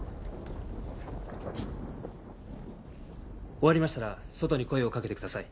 終わりましたら外に声をかけてください。